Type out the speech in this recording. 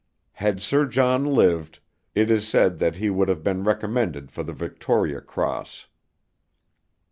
Had Sir John lived, it is said that he would have been recommended for the Victoria Cross."